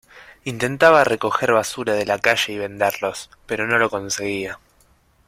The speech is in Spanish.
Intentaba recoger basura de la calle y venderlos, pero no lo conseguía.